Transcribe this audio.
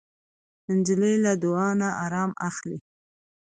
نجلۍ له دعا نه ارام اخلي.